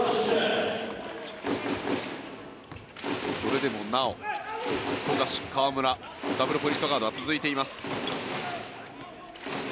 それでもなお、富樫、河村ダブルポイントガードは続いています。